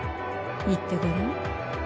言ってごらん。